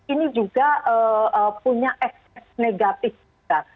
ini juga punya ekses negatif juga